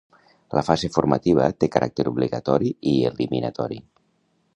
La fase formativa té caràcter obligatori i eliminatori.